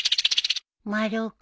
丸尾君